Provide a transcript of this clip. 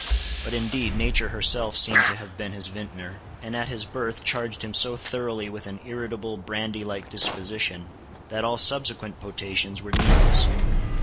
But indeed, nature herself seemed to have been his vintner, and at his birth charged him so thoroughly with an irritable, brandy like disposition, that all subsequent potations were needless.